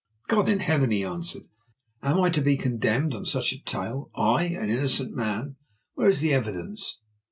"God in heaven!" he answered, "am I to be condemned on such a tale—I, an innocent man? Where is the evidence?